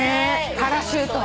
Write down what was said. パラシュート。